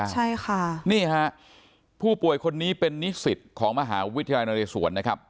ใช่ค่ะนี่ฮะผู้ป่วยคนนี้เป็นนิสิตของมหาวิทยาลัยนเรศวรนะครับ